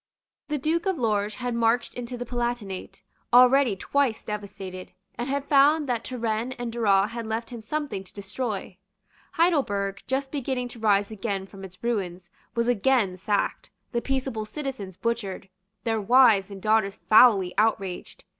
The Duke of Lorges had marched into the Palatinate, already twice devastated, and had found that Turenne and Duras had left him something to destroy. Heidelberg, just beginning to rise again from its ruins, was again sacked, the peaceable citizens butchered, their wives and daughters foully outraged.